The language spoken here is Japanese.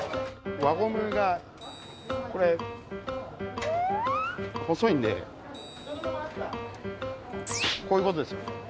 輪ゴムが、これ、細いんで、こういうことですよ。